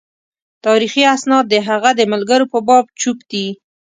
تاریخي اسناد د هغه د ملګرو په باب چوپ دي.